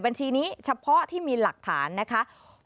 บัญชีนี้เฉพาะที่มีหลักฐานนะคะ